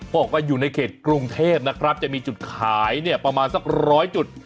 บอกว่าอยู่ในเขตกรุงเทพนะครับจะมีจุดขายเนี่ยประมาณสักร้อยจุด